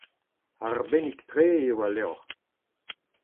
Arbennik-tre eo al levr.